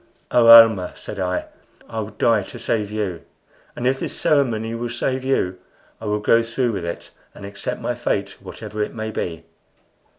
"Oh, Almah," said I, "I would die to save you! and if this ceremony will save you I will go through with it, and accept my fate whatever it may be."